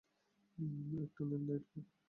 একটা নেন diet Coke.